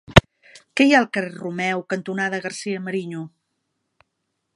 Què hi ha al carrer Romeu cantonada García-Mariño?